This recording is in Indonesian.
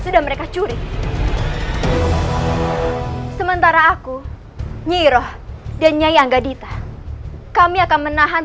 sudah mereka curi sementara aku nyiro dan nyayang gadita kami akan menahan